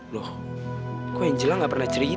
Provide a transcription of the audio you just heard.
loh kok angel gak pernah cerita ya